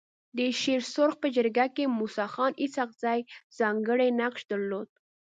د شيرسرخ په جرګه کي موسي خان اسحق زي ځانګړی نقش درلود.